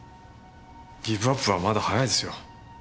ギブアップはまだ早いですよ